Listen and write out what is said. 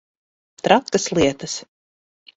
Trakas lietas.